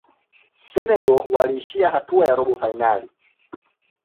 senegal waliishia hatua ya robo fainali